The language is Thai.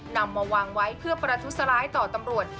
นำมาวางไว้เพื่อประทุษร้ายต่อตำรวจ